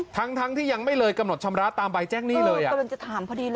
ทั้งที่ยังไม่เลยกำหนดชำระตามใบแจ้งนี่เลยอะ